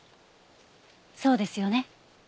そうですよね？